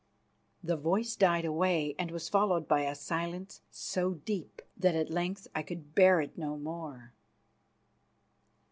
The voice died away, and was followed by a silence so deep that at length I could bear it no more.